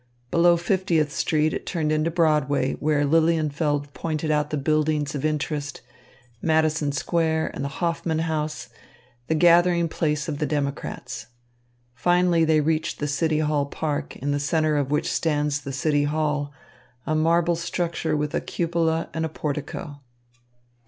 Below Fiftieth Street it turned into Broadway, where Lilienfeld pointed out the buildings of interest, Madison Square, and the Hoffman House, the gathering place of the Democrats. Finally they reached the City Hall Park, in the centre of which stands the City Hall, a marble structure with a cupola and a portico.